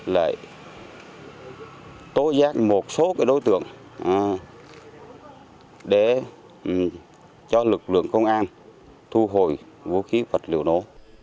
lại tố giác một số đối tượng để cho lực lượng công an thu hồi vũ khí vật liệu nổ